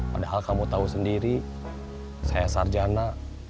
padahal kamu tahu sendiri saya sarjana